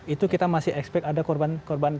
itu kita masih expect ada korban korban